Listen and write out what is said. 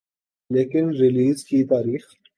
لیکن ریلیز کی تاریخ